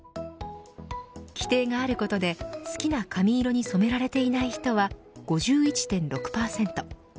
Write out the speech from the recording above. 規定があることで好きな髪色に染められていない人は５１．６％。